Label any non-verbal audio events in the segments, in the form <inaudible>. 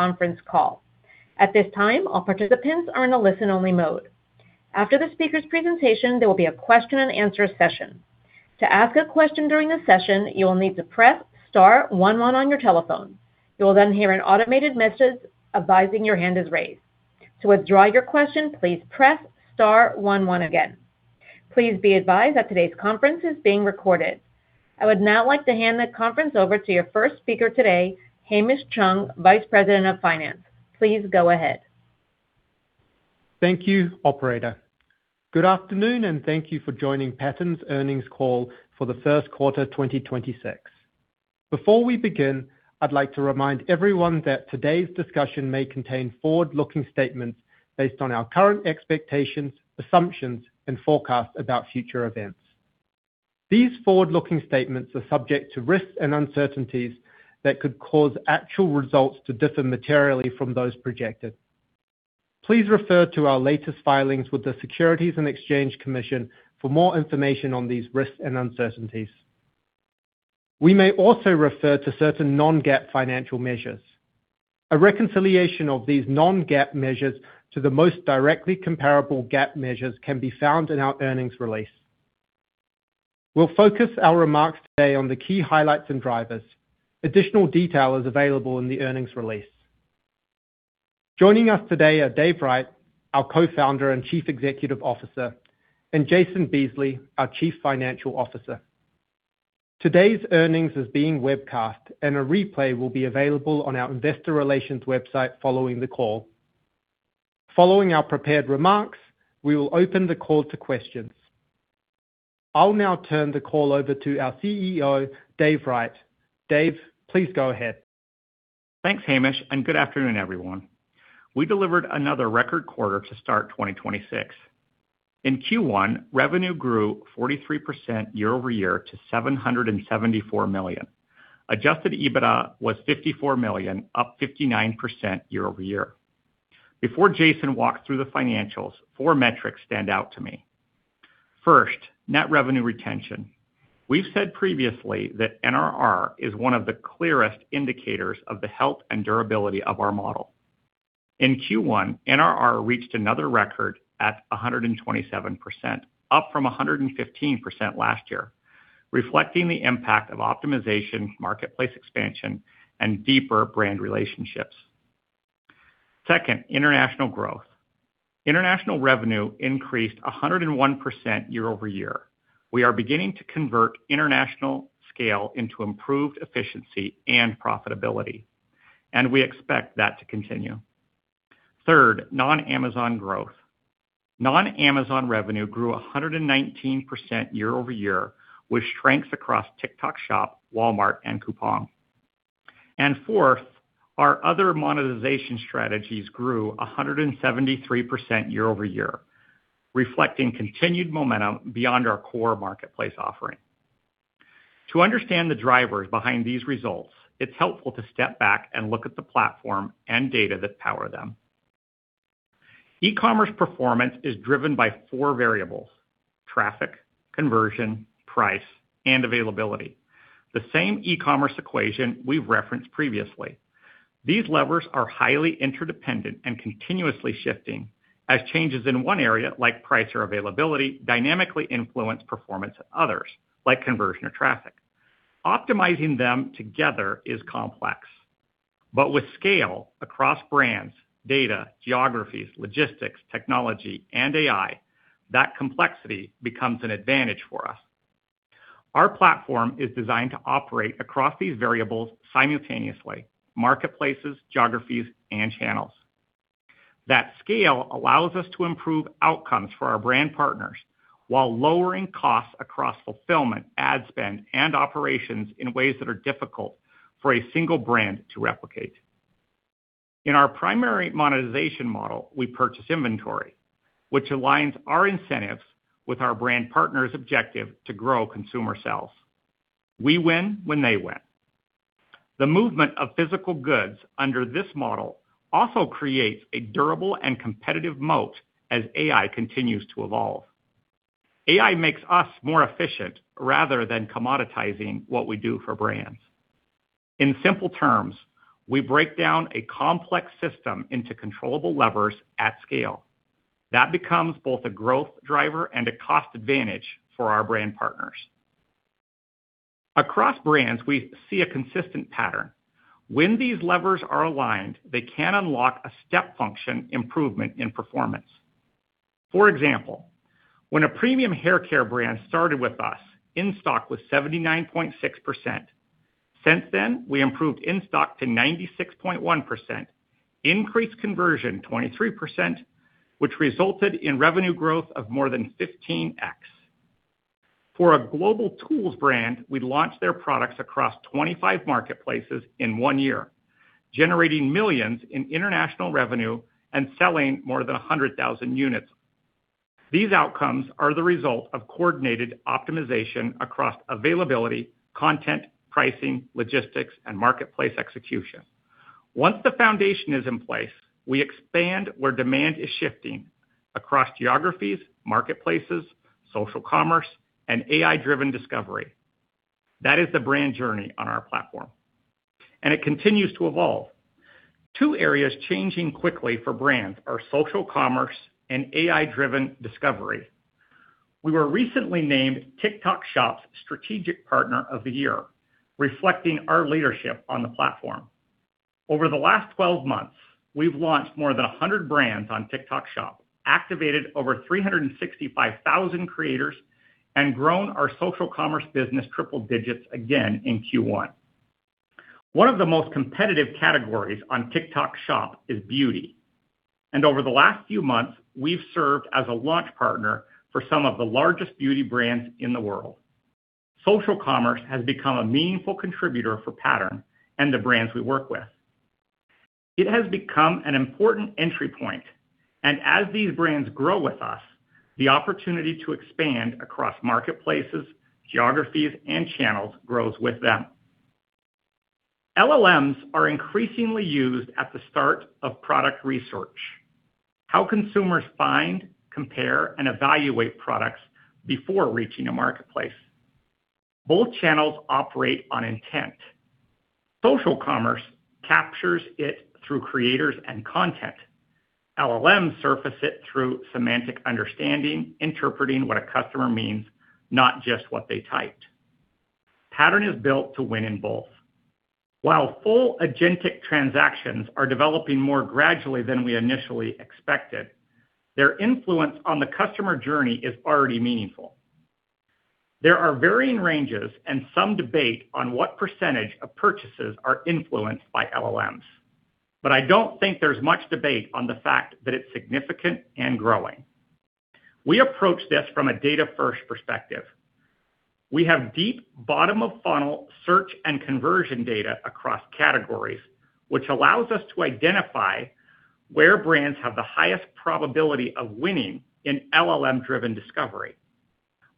At this time, all participants are in a listen-only mode. After the speaker's presentation, there will be a question and answer session. To ask a question during the session, you will need to press star one one on your telephone. You will then hear an automated message advising your hand is raised. To withdraw your question, please press star one one again. Please be advised that today's conference is being recorded. I would now like to hand the conference over to your first speaker today, Hamish Chung, Vice President of Finance. Please go ahead. Thank you, operator. Good afternoon, and thank you for joining Pattern's earnings call for the first quarter, 2026. Before we begin, I'd like to remind everyone that today's discussion may contain forward-looking statements based on our current expectations, assumptions, and forecasts about future events. These forward-looking statements are subject to risks and uncertainties that could cause actual results to differ materially from those projected. Please refer to our latest filings with the Securities and Exchange Commission for more information on these risks and uncertainties. We may also refer to certain non-GAAP financial measures. A reconciliation of these non-GAAP measures to the most directly comparable GAAP measures can be found in our earnings release. We'll focus our remarks today on the key highlights and drivers. Additional detail is available in the earnings release. Joining us today are Dave Wright, our Co-Founder and Chief Executive Officer, and Jason Beesley, our Chief Financial Officer. Today's earnings is being webcast, and a replay will be available on our investor relations website following the call. Following our prepared remarks, we will open the call to questions. I'll now turn the call over to our CEO, Dave Wright. Dave, please go ahead. Thanks, Hamish, and good afternoon, everyone. We delivered another record quarter to start 2026. In Q1, revenue grew 43% year-over-year to $774 million. Adjusted EBITDA was $54 million, up 59% year-over-year. Before Jason walks through the financials, four metrics stand out to me. First, net revenue retention. We've said previously that NRR is one of the clearest indicators of the health and durability of our model. In Q1, NRR reached another record at 127%, up from 115% last year, reflecting the impact of optimization, marketplace expansion, and deeper brand relationships. Second, international growth. International revenue increased 101% year-over-year. We are beginning to convert international scale into improved efficiency and profitability, and we expect that to continue. Third, non-Amazon growth. Non-Amazon revenue grew 119% year-over-year, with strengths across TikTok Shop, Walmart, and Coupang. Fourth, our other monetization strategies grew 173% year-over-year, reflecting continued momentum beyond our core marketplace offering. To understand the drivers behind these results, it's helpful to step back and look at the platform and data that power them. E-commerce performance is driven by 4 variables: traffic, conversion, price, and availability. The same e-commerce equation we've referenced previously. These levers are highly interdependent and continuously shifting as changes in one area, like price or availability, dynamically influence performance in others, like conversion or traffic. Optimizing them together is complex. With scale across brands, data, geographies, logistics, technology, and AI, that complexity becomes an advantage for us. Our platform is designed to operate across these variables simultaneously, marketplaces, geographies, and channels. That scale allows us to improve outcomes for our brand partners while lowering costs across fulfillment, ad spend, and operations in ways that are difficult for a single brand to replicate. In our primary monetization model, we purchase inventory, which aligns our incentives with our brand partner's objective to grow consumer sales. We win when they win. The movement of physical goods under this model also creates a durable and competitive moat as AI continues to evolve. AI makes us more efficient rather than commoditizing what we do for brands. In simple terms, we break down a complex system into controllable levers at scale. That becomes both a growth driver and a cost advantage for our brand partners. Across brands, we see a consistent Pattern. When these levers are aligned, they can unlock a step function improvement in performance. For example, when a premium haircare brand started with us, in-stock was 79.6%. Since then, we improved in-stock to 96.1%, increased conversion 23%, which resulted in revenue growth of more than 15x. For a global tools brand, we launched their products across 25 marketplaces in one year, generating millions in international revenue and selling more than 100,000 units. These outcomes are the result of coordinated optimization across availability, content, pricing, logistics, and marketplace execution. Once the foundation is in place, we expand where demand is shifting across geographies, marketplaces, social commerce, and AI-driven discovery. That is the brand journey on our platform, and it continues to evolve. Two areas changing quickly for brands are social commerce and AI-driven discovery. We were recently named TikTok Shop's strategic partner of the year, reflecting our leadership on the platform. Over the last 12 months, we've launched more than 100 brands on TikTok Shop, activated over 365,000 creators, and grown our social commerce business triple digits again in Q1. One of the most competitive categories on TikTok Shop is beauty. Over the last few months, we've served as a launch partner for some of the largest beauty brands in the world. Social commerce has become a meaningful contributor for Pattern and the brands we work with. It has become an important entry point. As these brands grow with us, the opportunity to expand across marketplaces, geographies, and channels grows with them. LLMs are increasingly used at the start of product research. How consumers find, compare, and evaluate products before reaching a marketplace. Both channels operate on intent. Social commerce captures it through creators and content. LLMs surface it through semantic understanding, interpreting what a customer means, not just what they typed. Pattern is built to win in both. While full agentic transactions are developing more gradually than we initially expected, their influence on the customer journey is already meaningful. There are varying ranges and some debate on what percentage of purchases are influenced by LLMs, but I don't think there's much debate on the fact that it's significant and growing. We approach this from a data-first perspective. We have deep bottom of funnel search and conversion data across categories, which allows us to identify where brands have the highest probability of winning in LLM-driven discovery.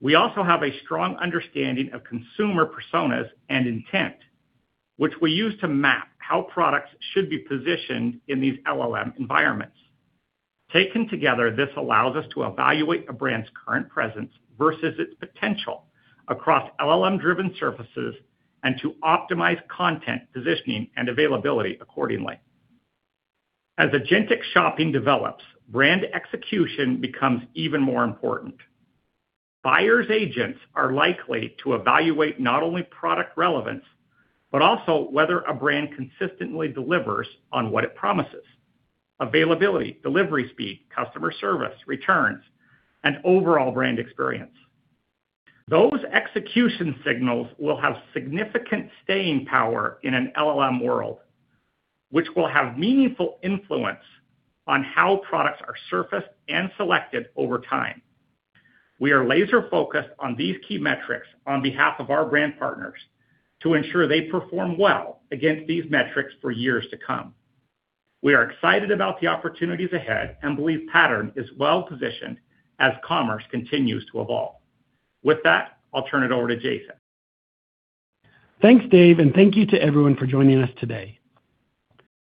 We also have a strong understanding of consumer personas and intent, which we use to map how products should be positioned in these LLM environments. Taken together, this allows us to evaluate a brand's current presence versus its potential across LLM-driven surfaces and to optimize content positioning and availability accordingly. As agentic shopping develops, brand execution becomes even more important. Buyers' agents are likely to evaluate not only product relevance, but also whether a brand consistently delivers on what it promises, availability, delivery speed, customer service, returns, and overall brand experience. Those execution signals will have significant staying power in an LLM world, which will have meaningful influence on how products are surfaced and selected over time. We are laser-focused on these key metrics on behalf of our brand partners to ensure they perform well against these metrics for years to come. We are excited about the opportunities ahead and believe Pattern is well-positioned as commerce continues to evolve. With that, I'll turn it over to Jason. Thanks, Dave, and thank you to everyone for joining us today.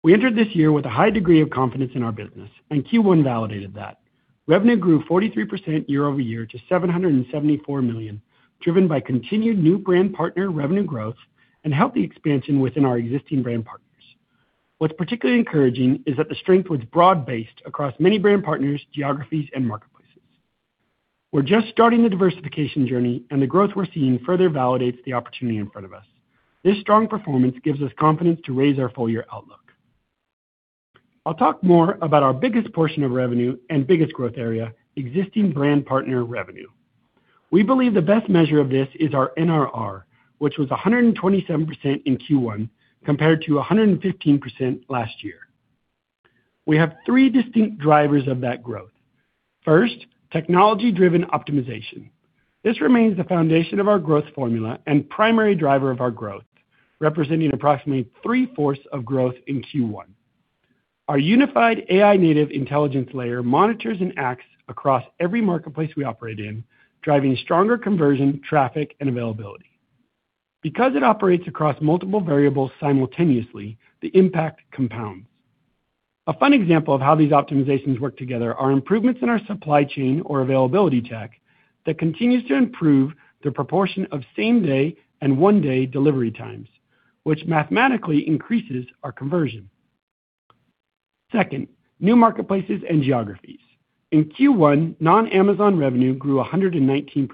We entered this year with a high degree of confidence in our business. Q1 validated that. Revenue grew 43% year-over-year to $774 million, driven by continued new brand partner revenue growth and healthy expansion within our existing brand partners. What's particularly encouraging is that the strength was broad-based across many brand partners, geographies, and marketplaces. We're just starting the diversification journey. The growth we're seeing further validates the opportunity in front of us. This strong performance gives us confidence to raise our full-year outlook. I'll talk more about our biggest portion of revenue and biggest growth area, existing brand partner revenue. We believe the best measure of this is our NRR, which was 127% in Q1 compared to 115% last year. We have three distinct drivers of that growth. First, technology-driven optimization. This remains the foundation of our growth formula and primary driver of our growth, representing approximately 3/4 of growth in Q1. Our unified AI native intelligence layer monitors and acts across every marketplace we operate in, driving stronger conversion, traffic, and availability. Because it operates across multiple variables simultaneously, the impact compounds. A fun example of how these optimizations work together are improvements in our supply chain or availability tech that continues to improve the proportion of same-day and one-day delivery times, which mathematically increases our conversion. Second, new marketplaces and geographies. In Q1, non-Amazon revenue grew 119%.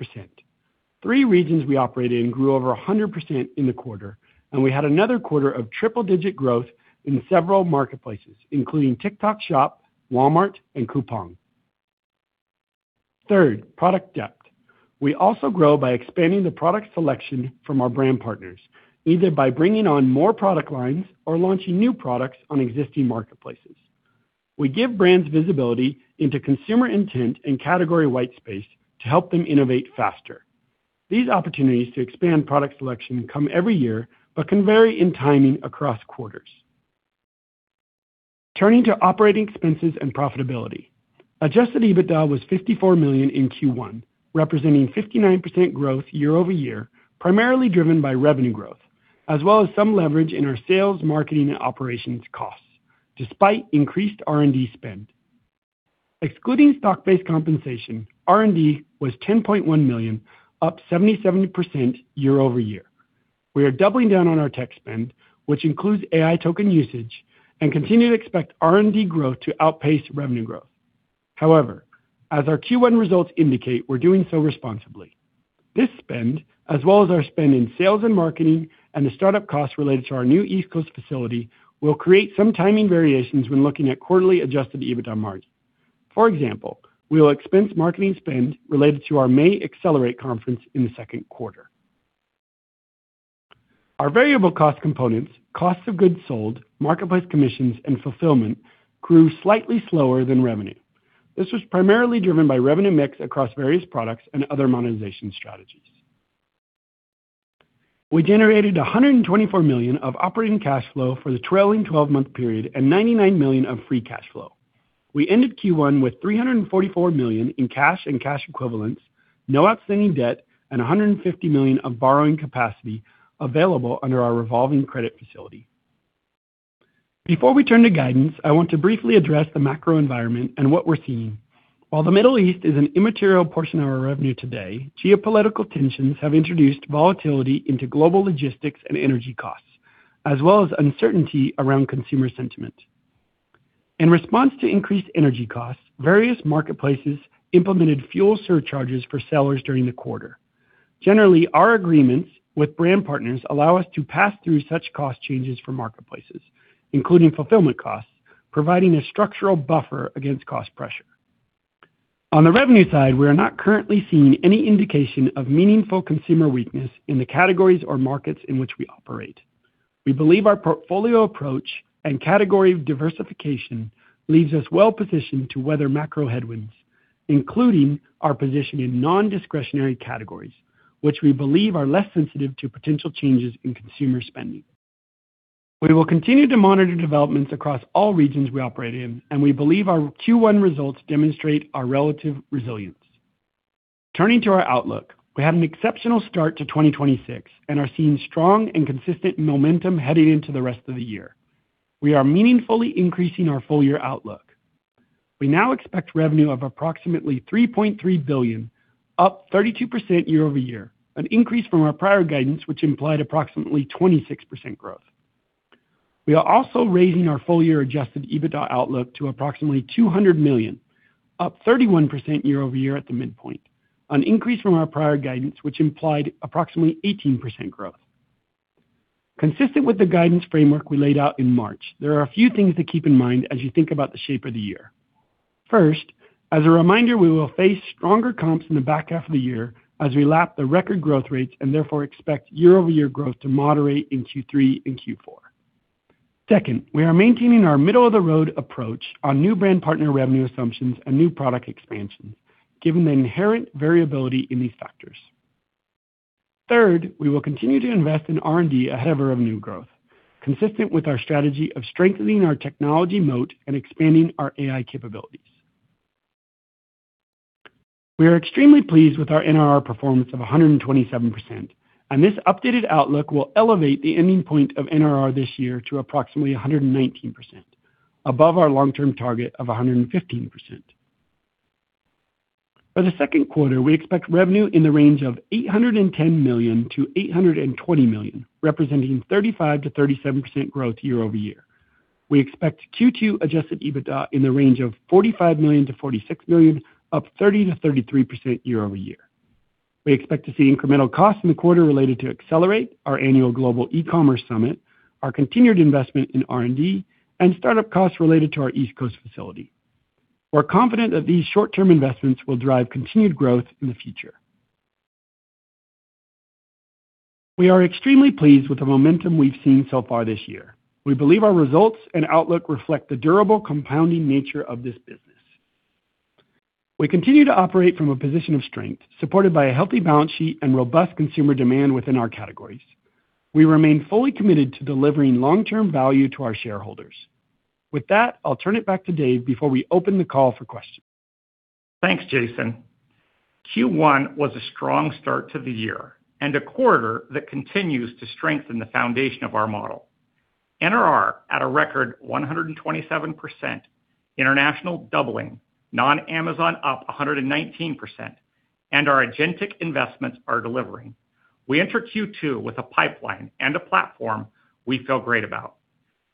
Three regions we operated in grew over 100% in the quarter, and we had another quarter of triple-digit growth in several marketplaces, including TikTok Shop, Walmart, and Coupang. Third, product depth. We also grow by expanding the product selection from our brand partners, either by bringing on more product lines or launching new products on existing marketplaces. We give brands visibility into consumer intent and category white space to help them innovate faster. These opportunities to expand product selection come every year but can vary in timing across quarters. Turning to operating expenses and profitability. Adjusted EBITDA was $54 million in Q1, representing 59% growth year-over-year, primarily driven by revenue growth, as well as some leverage in our sales, marketing, and operations costs, despite increased R&D spend. Excluding stock-based compensation, R&D was $10.1 million, up 77% year-over-year. We are doubling down on our tech spend, which includes AI token usage, and continue to expect R&D growth to outpace revenue growth. However, as our Q1 results indicate, we're doing so responsibly. This spend, as well as our spend in sales and marketing and the startup costs related to our new East Coast facility, will create some timing variations when looking at quarterly adjusted EBITDA margin. For example, we will expense marketing spend related to our May Accelerate conference in the second quarter. Our variable cost components, cost of goods sold, marketplace commissions, and fulfillment grew slightly slower than revenue. This was primarily driven by revenue mix across various products and other monetization strategies. We generated $124 million of operating cash flow for the trailing 12 month period and $99 million of free cash flow. We ended Q1 with $344 million in cash and cash equivalents, no outstanding debt, and $150 million of borrowing capacity available under our revolving credit facility. Before we turn to guidance, I want to briefly address the macro environment and what we're seeing. While the Middle East is an immaterial portion of our revenue today, geopolitical tensions have introduced volatility into global logistics and energy costs, as well as uncertainty around consumer sentiment. In response to increased energy costs, various marketplaces implemented fuel surcharges for sellers during the quarter. Generally, our agreements with brand partners allow us to pass through such cost changes for marketplaces, including fulfillment costs, providing a structural buffer against cost pressure. On the revenue side, we are not currently seeing any indication of meaningful consumer weakness in the categories or markets in which we operate. We believe our portfolio approach and category diversification leaves us well positioned to weather macro headwinds, including our position in non-discretionary categories, which we believe are less sensitive to potential changes in consumer spending. We will continue to monitor developments across all regions we operate in, and we believe our Q1 results demonstrate our relative resilience. Turning to our outlook, we had an exceptional start to 2026 and are seeing strong and consistent momentum heading into the rest of the year. We are meaningfully increasing our full year outlook. We now expect revenue of approximately $3.3 billion, up 32% year-over-year, an increase from our prior guidance, which implied approximately 26% growth. We are also raising our full year adjusted EBITDA outlook to approximately $200 million, up 31% year-over-year at the midpoint, an increase from our prior guidance, which implied approximately 18% growth. Consistent with the guidance framework we laid out in March, there are a few things to keep in mind as you think about the shape of the year. First, as a reminder, we will face stronger comps in the back half of the year as we lap the record growth rates, and therefore expect year-over-year growth to moderate in Q3 and Q4. Second, we are maintaining our middle-of-the-road approach on new brand partner revenue assumptions and new product expansions, given the inherent variability in these factors. Third, we will continue to invest in R&D ahead of revenue growth, consistent with our strategy of strengthening our technology moat and expanding our AI capabilities. We are extremely pleased with our NRR performance of 127%, and this updated outlook will elevate the ending point of NRR this year to approximately 119%, above our long-term target of 115%. For the second quarter, we expect revenue in the range of $810 million-$820 million, representing 35%-37% growth year-over-year. We expect Q2 adjusted EBITDA in the range of $45 million-$46 million, up 30%-33% year-over-year. We expect to see incremental costs in the quarter related to Accelerate, our annual global e-commerce summit, our continued investment in R&D, and startup costs related to our East Coast facility. We're confident that these short-term investments will drive continued growth in the future. We are extremely pleased with the momentum we've seen so far this year. We believe our results and outlook reflect the durable compounding nature of this business. We continue to operate from a position of strength, supported by a healthy balance sheet and robust consumer demand within our categories. We remain fully committed to delivering long-term value to our shareholders. With that, I'll turn it back to Dave before we open the call for questions. Thanks, Jason. Q1 was a strong start to the year and a quarter that continues to strengthen the foundation of our model. NRR at a record 127%, international doubling, non-Amazon up 119%, and our agentic investments are delivering. We enter Q2 with a pipeline and a platform we feel great about.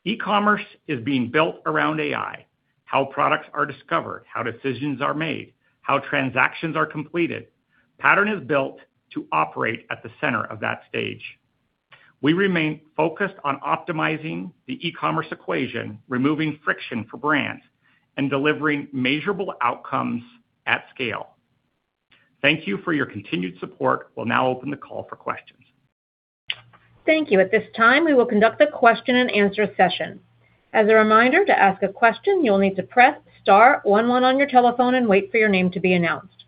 E-commerce is being built around AI, how products are discovered, how decisions are made, how transactions are completed. Pattern is built to operate at the center of that stage. We remain focused on optimizing the e-commerce equation, removing friction for brands, and delivering measurable outcomes at scale. Thank you for your continued support. We'll now open the call for questions. Thank you. At this time, we will conduct the question-and-answer session. As a reminder, to ask a question, you'll need to press star one one on your telephone and wait for your name to be announced.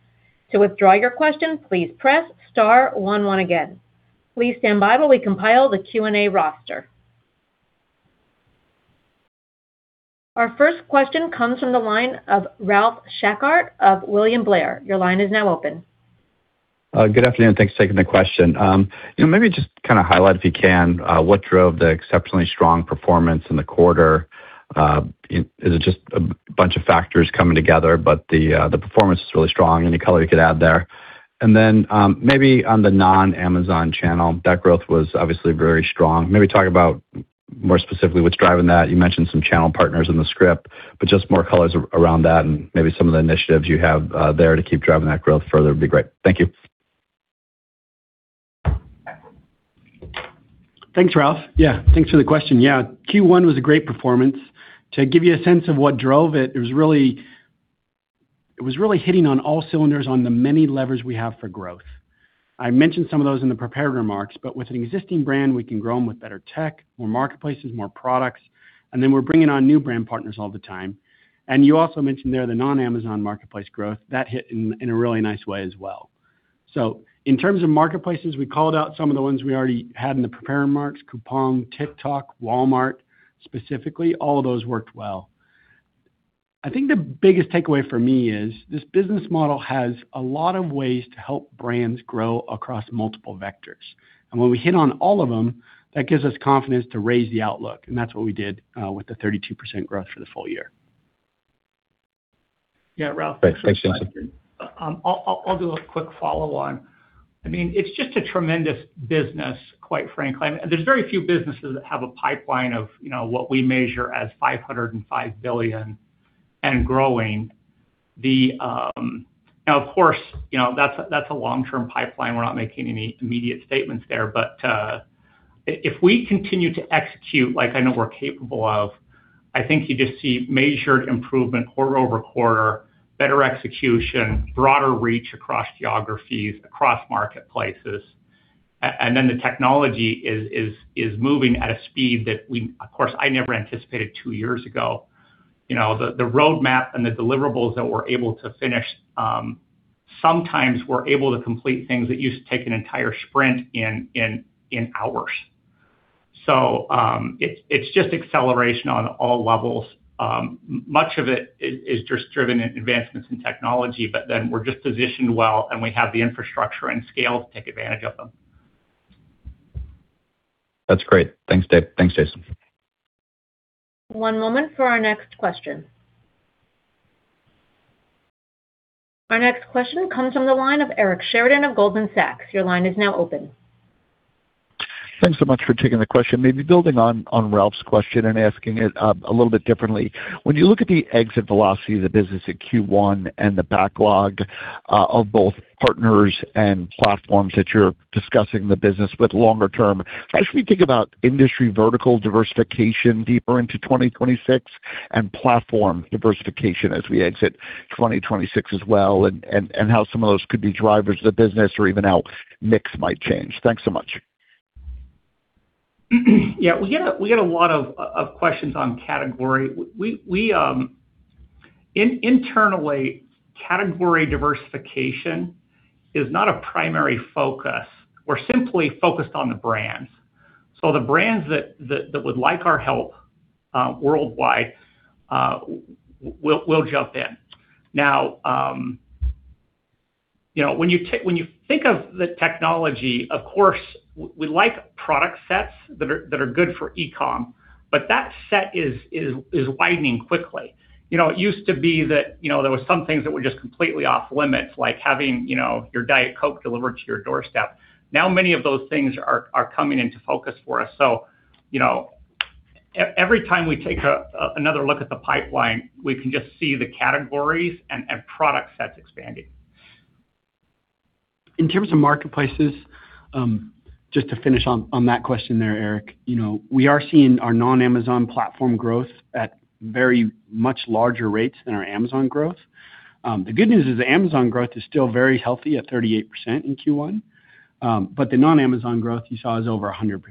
To withdraw your question, please press star one one again. Please stand by while we compile the Q&A roster. Our first question comes from the line of Ralph Schackart of William Blair. Your line is now open. Good afternoon. Thanks for taking the question. You know, maybe just kind of highlight, if you can, what drove the exceptionally strong performance in the quarter. Is it just a bunch of factors coming together, but the performance is really strong? Any color you could add there. And then, maybe on the non-Amazon channel, that growth was obviously very strong. Maybe talk about more specifically what's driving that. You mentioned some channel partners in the script, but just more colors around that and maybe some of the initiatives you have there to keep driving that growth further would be great. Thank you. Thanks, Ralph. Thanks for the question. Q1 was a great performance. To give you a sense of what drove it was really hitting on all cylinders on the many levers we have for growth. I mentioned some of those in the prepared remarks, but with an existing brand, we can grow them with better tech, more marketplaces, more products, and then we're bringing on new brand partners all the time. You also mentioned there the non-Amazon marketplace growth. That hit in a really nice way as well. In terms of marketplaces, we called out some of the ones we already had in the prepared remarks, Coupang, TikTok, Walmart, specifically. All of those worked well. I think the biggest takeaway for me is this business model has a lot of ways to help brands grow across multiple vectors. When we hit on all of them, that gives us confidence to raise the outlook, and that's what we did, with the 32% growth for the full year. Yeah, Ralph. Thanks. Thanks, Jason. I'll do a quick follow-on. I mean, it's just a tremendous business, quite frankly. There's very few businesses that have a pipeline of, you know, what we measure as $505 billion and growing. Now, of course, you know, that's a long-term pipeline. We're not making any immediate statements there. If we continue to execute like I know we're capable of, I think you just see measured improvement quarter-over-quarter, better execution, broader reach across geographies, across marketplaces. Then the technology is moving at a speed that we, of course, I never anticipated two years ago. You know, the roadmap and the deliverables that we're able to finish, sometimes we're able to complete things that used to take an entire sprint in hours. It's just acceleration on all levels. Much of it is just driven in advancements in technology, but then we're just positioned well, and we have the infrastructure and scale to take advantage of them. That's great. Thanks, Dave. Thanks, Jason. One moment for our next question. Our next question comes from the line of Eric Sheridan of Goldman Sachs. Your line is now open. Thanks so much for taking the question. Maybe building on Ralph's question and asking it a little bit differently. When you look at the exit velocity of the business in Q1 and the backlog of both partners and platforms that you're discussing the business with longer term, how should we think about industry vertical diversification deeper into 2026 and platform diversification as we exit 2026 as well, how some of those could be drivers of the business or even how mix might change? Thanks so much. We get a lot of questions on category. Internally, category diversification is not a primary focus. We're simply focused on the brands. The brands that would like our help, worldwide, we'll jump in. You know, when you think of the technology, of course, we like product sets that are good for e-com, but that set is widening quickly. You know, it used to be that, you know, there were some things that were just completely off-limits, like having, you know, your Diet Coke delivered to your doorstep. Many of those things are coming into focus for us. You know, every time we take another look at the pipeline, we can just see the categories and product sets expanding. In terms of marketplaces, just to finish on that question there, Eric, you know, we are seeing our non-Amazon platform growth at very much larger rates than our Amazon growth. The good news is the Amazon growth is still very healthy at 38% in Q1. The non-Amazon growth you saw is over 100%.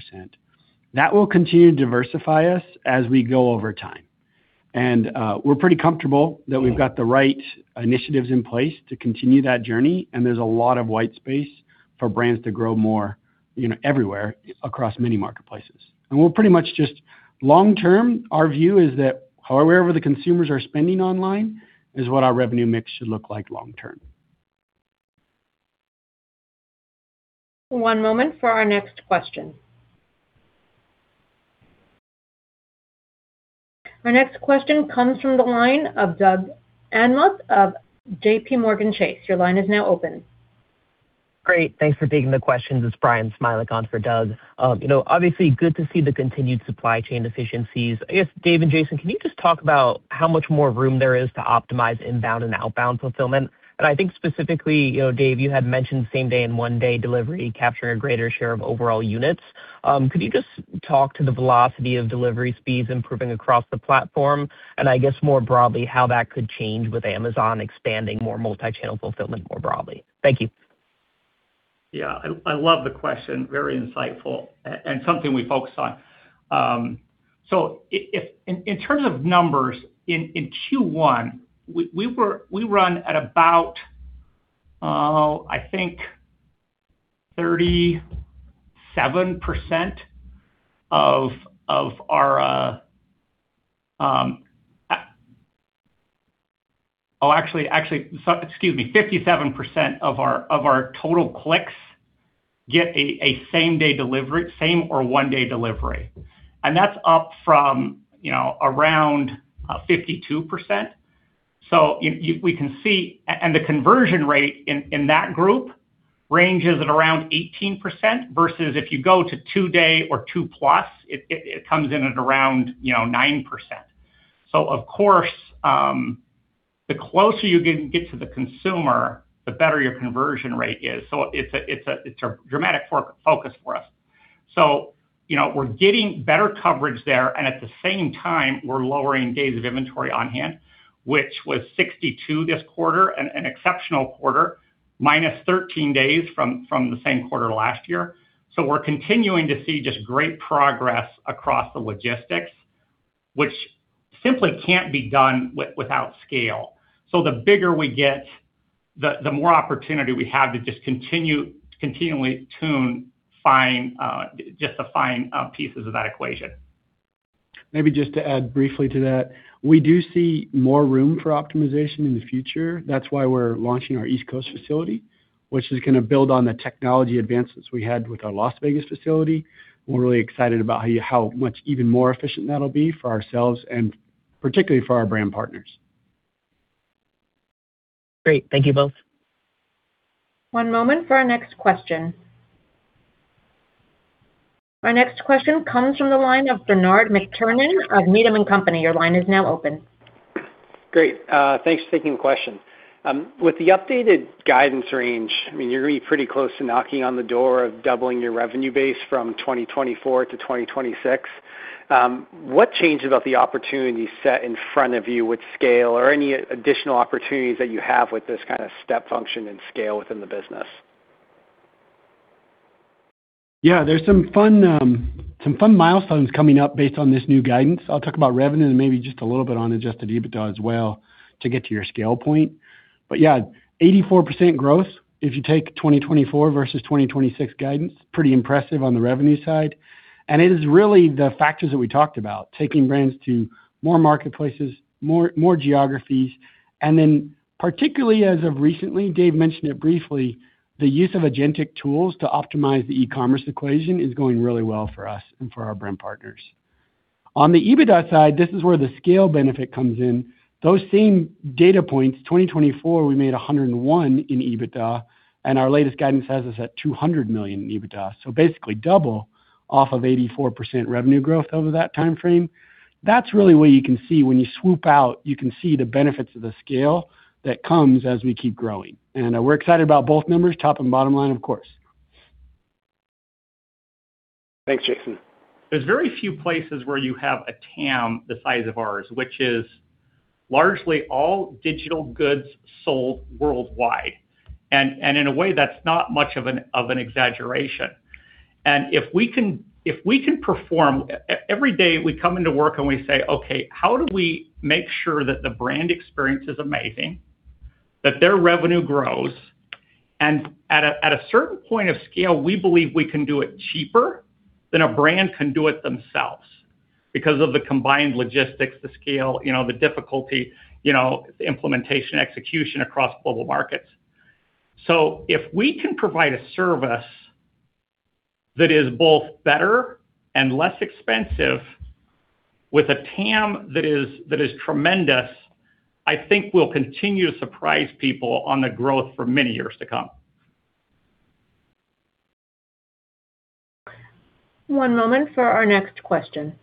That will continue to diversify us as we go over time. We're pretty comfortable that we've got the right initiatives in place to continue that journey, and there's a lot of white space for brands to grow more, you know, everywhere across many marketplaces. We're pretty much just long term, our view is that however the consumers are spending online is what our revenue mix should look like long term. One moment for our next question. Our next question comes from the line of Doug Anmuth of JPMorgan Chase. Your line is now open. Great. Thanks for taking the questions. It's Bryan Smilek on for Doug. You know, obviously good to see the continued supply chain efficiencies. I guess, Dave and Jason, can you just talk about how much more room there is to optimize inbound and outbound fulfillment? I think specifically, you know, Dave, you had mentioned same day and one-day delivery capturing a greater share of overall units. Could you just talk to the velocity of delivery speeds improving across the platform? I guess more broadly, how that could change with Amazon expanding more multi-channel fulfillment more broadly. Thank you. Yeah. I love the question. Very insightful and something we focus on. So in terms of numbers, in Q1, we run at about, I think 37% of our, oh, actually, excuse me, 57% of our total clicks get a same day delivery, same or one day delivery. That's up from, you know, around 52%. We can see and the conversion rate in that group ranges at around 18%, versus if you go to two day or 2+, it comes in at around, you know, 9%. Of course, the closer you can get to the consumer, the better your conversion rate is. It's a dramatic focus for us. You know, we're getting better coverage there, and at the same time, we're lowering days of inventory on hand, which was 62 this quarter, an exceptional quarter,-13 days from the same quarter last year. We're continuing to see just great progress across the logistics, which simply can't be done without scale. The bigger we get, the more opportunity we have to continually tune fine, just the fine pieces of that equation. Maybe just to add briefly to that, we do see more room for optimization in the future. That's why we're launching our East Coast facility, which is going to build on the technology advances we had with our Las Vegas facility. We're really excited about how much even more efficient that'll be for ourselves and particularly for our brand partners. Great. Thank you both. One moment for our next question. Our next question comes from the line of Bernard McTernan of Needham & Company. Your line is now open. Great. Thanks for taking the question. With the updated guidance range, I mean, you're gonna be pretty close to knocking on the door of doubling your revenue base from 2024-2026. What changed about the opportunity set in front of you with scale or any additional opportunities that you have with this kinda step function and scale within the business? Yeah. There's some fun, some fun milestones coming up based on this new guidance. I'll talk about revenue and maybe just a little bit on adjusted EBITDA as well to get to your scale point. Yeah, 84% growth, if you take 2024 versus 2026 guidance, pretty impressive on the revenue side. It is really the factors that we talked about, taking brands to more marketplaces, more geographies. Particularly as of recently, Dave mentioned it briefly, the use of agentic tools to optimize the e-commerce equation is going really well for us and for our brand partners. On the EBITDA side, this is where the scale benefit comes in. Those same data points, 2024, we made $101 million in EBITDA, and our latest guidance has us at $200 million in EBITDA. Basically double off of 84% revenue growth over that timeframe. That's really where you can see when you swoop out, you can see the benefits of the scale that comes as we keep growing. We're excited about both numbers, top and bottom line, of course. Thanks, Jason. There's very few places where you have a TAM the size of ours, which is largely all digital goods sold worldwide. In a way that's not much of an exaggeration. If we can perform every day we come into work and we say, "Okay, how do we make sure that the brand experience is amazing, that their revenue grows?" At a certain point of scale, we believe we can do it cheaper than a brand can do it themselves because of the combined logistics, the scale, you know, the difficulty, you know, the implementation, execution across global markets. If we can provide a service that is both better and less expensive with a TAM that is tremendous, I think we'll continue to surprise people on the growth for many years to come. One moment for our next question.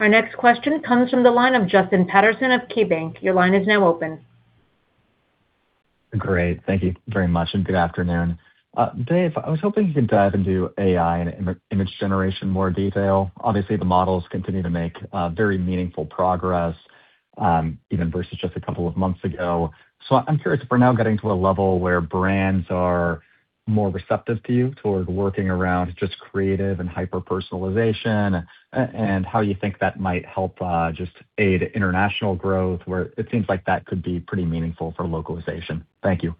Our next question comes from the line of Justin Patterson of KeyBanc. Great. Thank you very much, and good afternoon. Dave, I was hoping you could dive into AI and image generation in more detail. Obviously, the models continue to make very meaningful progress, even versus just a couple of months ago. I'm curious if we're now getting to a level where brands are more receptive to you toward working around just creative and hyper-personalization, and how you think that might help just aid international growth, where it seems like that could be pretty meaningful for localization. Thank you.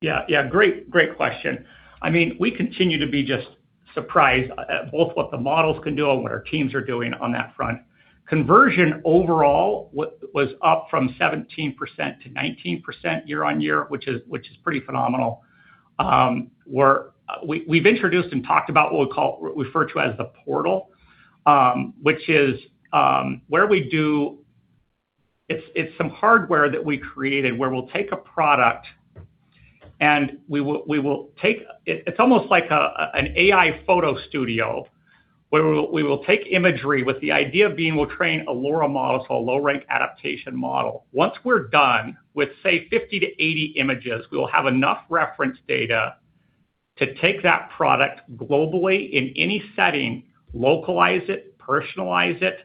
Yeah. Yeah. Great, great question. I mean, we continue to be just surprised at both what the models can do and what our teams are doing on that front. Conversion overall was up from 17% to 19% year on year, which is pretty phenomenal. We've introduced and talked about what we refer to as The Portal, which is where we do It's some hardware that we created where we'll take a product, and we will take It's almost like an AI photo studio where we will take imagery with the idea being we'll train a LoRA model, so a low-rank adaptation model. Once we're done with, say, 50-80 images, we will have enough reference data to take that product globally in any setting, localize it, personalize it,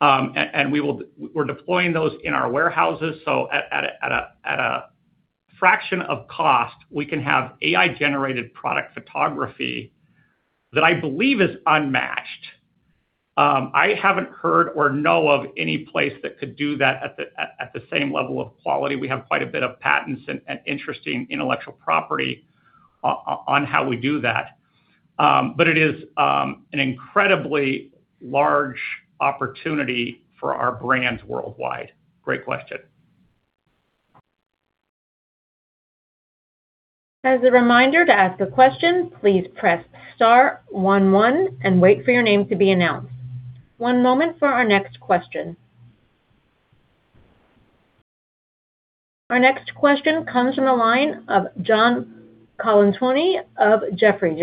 and we're deploying those in our warehouses. At a fraction of cost, we can have AI-generated product photography that I believe is unmatched. I haven't heard or know of any place that could do that at the same level of quality. We have quite a bit of patents and interesting intellectual property on how we do that. It is an incredibly large opportunity for our brands worldwide. Great question. Our next question comes from the line of John Colantuoni of Jefferies.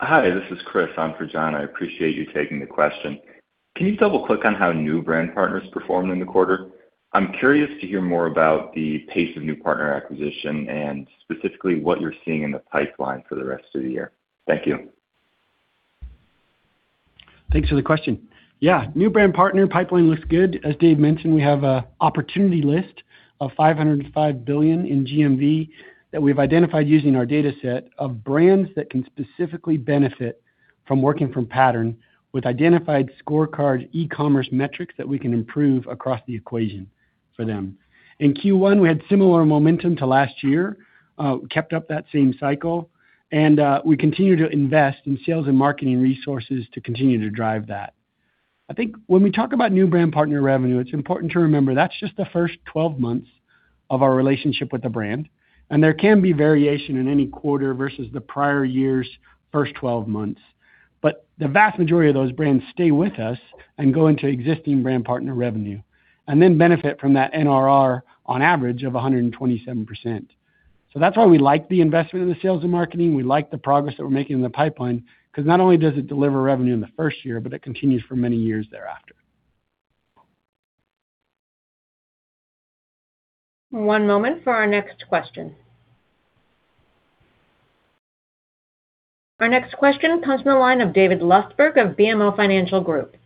Hi, this is Chris on for John. I appreciate you taking the question. Can you double-click on how new brand partners performed in the quarter? I'm curious to hear more about the pace of new partner acquisition and specifically what you're seeing in the pipeline for the rest of the year. Thank you. Thanks for the question. Yeah. New brand partner pipeline looks good. As Dave mentioned, we have an opportunity list of $505 billion in GMV that we've identified using our data set of brands that can specifically benefit from working from Pattern with identified scorecard e-commerce metrics that we can improve across the equation for them. In Q1, we had similar momentum to last year, kept up that same cycle. We continue to invest in sales and marketing resources to continue to drive that. I think when we talk about new brand partner revenue, it's important to remember that's just the first 12 months of our relationship with the brand, and there can be variation in any quarter versus the prior years first 12 months. The vast majority of those brands stay with us and go into existing brand partner revenue, and then benefit from that NRR on average of 127%. That's why we like the investment in the sales and marketing. We like the progress that we're making in the pipeline, 'cause not only does it deliver revenue in the first year, but it continues for many years thereafter. One moment for our next question. Our next question comes from the line of David Lustberg of BMO Financial Group.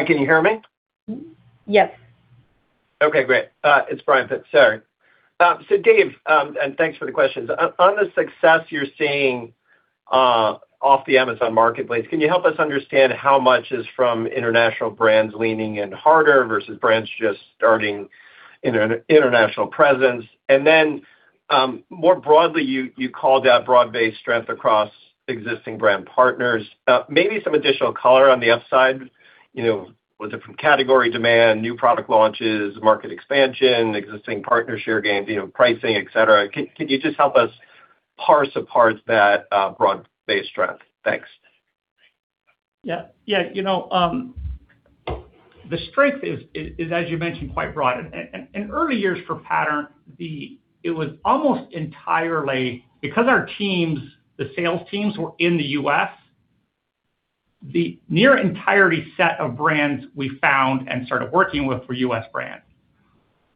Hi, can you hear me? Yes. Okay, great. It's Brian. <audio distortion> Thanks for the questions. On the success you're seeing off the Amazon Marketplace, can you help us understand how much is from international brands leaning in harder versus brands just starting international presence? Then, more broadly, you called out broad-based strength across existing brand partners. Maybe some additional color on the upside, you know, with different category demand, new product launches, market expansion, existing partner share gains, pricing, et cetera. Can you just help us parse apart that broad-based strength? Thanks. Yeah. Yeah. You know, as you mentioned, the strength is quite broad. In early years for Pattern, it was almost entirely because our teams, the sales teams were in the U.S., the near entirety set of brands we found and started working with were U.S. brands.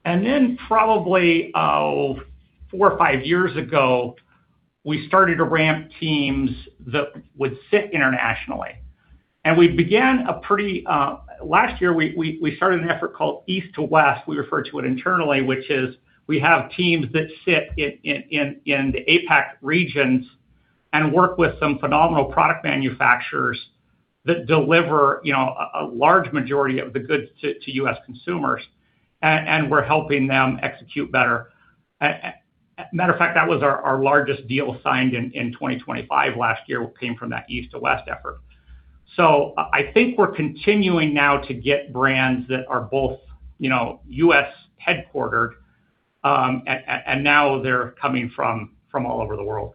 Then probably four or five years ago, we started to ramp teams that would sit internationally. We began a pretty Last year, we started an effort called East to West, we refer to it internally, which is we have teams that sit in the APAC regions and work with some phenomenal product manufacturers that deliver, you know, a large majority of the goods to U.S. consumers. We're helping them execute better. As a matter of fact, that was our largest deal signed in 2025 last year came from that East to West effort. I think we're continuing now to get brands that are both, you know, U.S. headquartered, and now they're coming from all over the world.